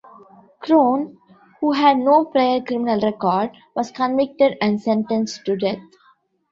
Krone, who had no prior criminal record, was convicted and sentenced to death.